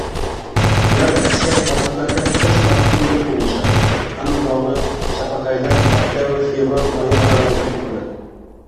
Ular aksar holatlarda qish mavsumida tugʻilishadi. Aniqrogʻi, chapaqaylar oktyabr-fevral oyi oraligʻida tugʻiladi.